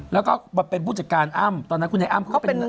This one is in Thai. แล้วก็มาเป็นผู้จัดการอ้ำตอนนั้นคุณไอ้อ้ำเขาก็เป็น